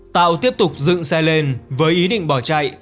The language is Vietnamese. tạo tiếp tục dựng xe lên với ý định bỏ chạy